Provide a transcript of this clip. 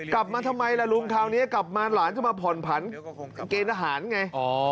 กลับมาทำไมล่ะลุงคราวนี้กลับมาหลานจะมาผ่อนผันเกณฑ์อาหารไง